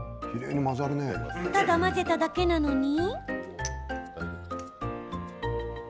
ただ混ぜただけなのに。